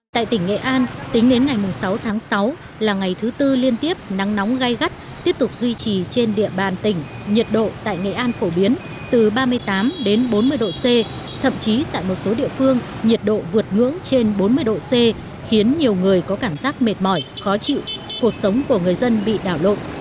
tại tỉnh nghệ an tính đến ngày sáu tháng sáu là ngày thứ tư liên tiếp nắng nóng gai gắt tiếp tục duy trì trên địa bàn tỉnh nhiệt độ tại nghệ an phổ biến từ ba mươi tám đến bốn mươi độ c thậm chí tại một số địa phương nhiệt độ vượt ngưỡng trên bốn mươi độ c khiến nhiều người có cảm giác mệt mỏi khó chịu cuộc sống của người dân bị đảo lộn